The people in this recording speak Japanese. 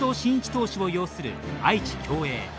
投手を擁する愛知・享栄。